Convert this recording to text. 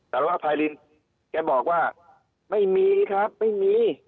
สารวัตรภัยลินทร์แกบอกว่าไม่มีครับไม่มี